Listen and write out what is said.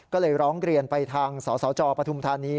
ก็เลยร้องเรียนไปทางสสจปฐุมธานี